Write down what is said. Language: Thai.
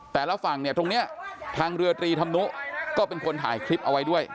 ระหว่างฝั่งเนี่ยตรงนี้ทางเรือตรีธรรมนุก็เป็นคนถ่ายคลิปเอาไว้ด้วย